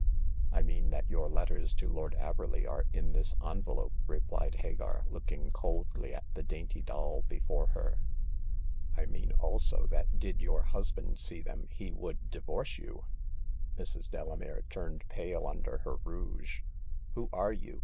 " I mean that your letters to Lord Averley are in this envelope," replied Hagar, looking coldly at the dainty doll before her. "I mean also that did your husband see them he would divorce you !" Mrs. Delamere turned pale under her rouge. *' Who are you